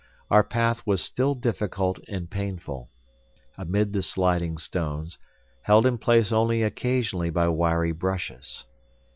Our path was still difficult and painful, amid the sliding stones, held in place only occasionally by wiry bushes.